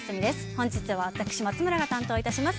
本日は私、松村が担当いたします。